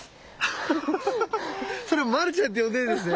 それをマルちゃんって呼んでるんですね。